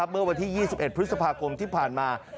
เมื่อวันที่๒๑พฤษภาคมที่ผ่านมา